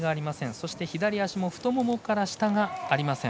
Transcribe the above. そして左足も太ももから下がありません。